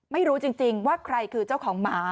ไม่รู้จริงว่าใครคือเจ้าของหมา